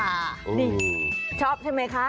นี่ชอบใช่ไหมคะ